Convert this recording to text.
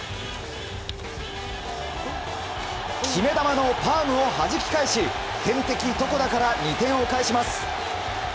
決め球のパームをはじき返し天敵、床田から２点を返します。